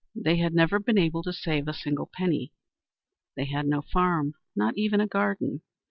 They had never been able to save a single penny. They had no farm, not even a garden.